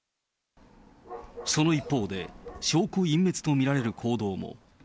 その一方で、証拠隠滅と見られる行動も。